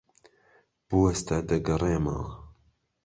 بوەستە. دەگەڕێمەوە.